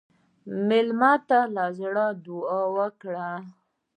مېلمه ته له زړه دعا وکړئ.